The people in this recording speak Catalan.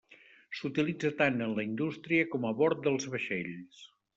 S'utilitza tant en la indústria com a bord dels vaixells.